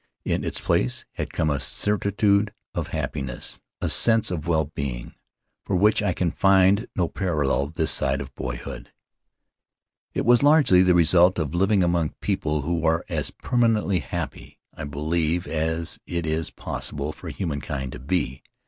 In its place had come a certitude of happi ness, a sense of well being for which I can find no parallel this side of boyhood. It was largely the result of living among people who are as permanently happy, I believe, as it is possible for humankind to be.